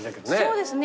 そうですね。